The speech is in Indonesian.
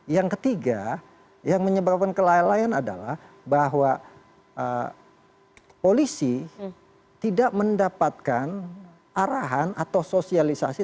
yang ketiga yang menyebabkan kelalaian adalah bahwa polisi tidak mendapatkan arahan atau sosialisasi